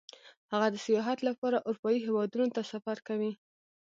هغه د سیاحت لپاره اروپايي هېوادونو ته سفر کوي